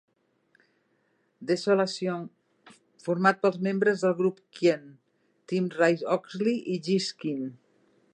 Desolation, format pels membres del grup Keane: Tim Rice-Oxley i Jesse Quin.